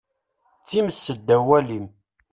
D times seddaw walim.